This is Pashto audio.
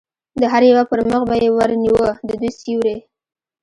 د هر یوه پر مخ به یې ور نیوه، د دوی سیوری.